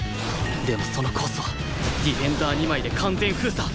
でもそのコースはディフェンダー２枚で完全封鎖！